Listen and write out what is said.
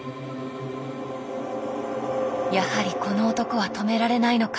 やはりこの男は止められないのか。